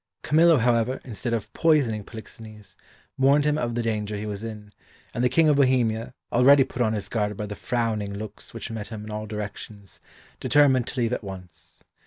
Camillo, however, instead of poisoning Polixenes, warned him of the danger he was in, and the King of Bohemia, already put on his guard by the frowning looks which met him in all directions, determined to leave at once.